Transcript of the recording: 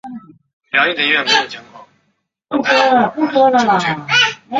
最后黄蓉再把软猬甲传给女儿郭芙了。